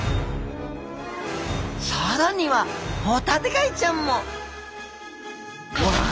更にはホタテガイちゃんもわあ！